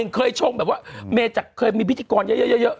เคยชงแบบว่าเมจากเคยมีพิธีกรเยอะ